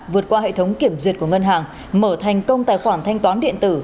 vượt qua hệ thống kiểm duyệt của ngân hàng mở thành công tài khoản thanh toán điện tử